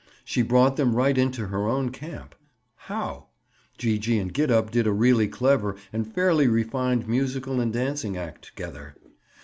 She brought them right into her own camp. How? Gee gee and Gid up did a really clever and fairly refined musical and dancing act together.